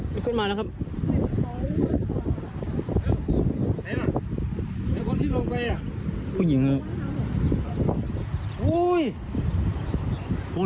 ขึ้นมาแล้วครับ